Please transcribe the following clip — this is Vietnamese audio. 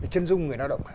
chân dung người lao động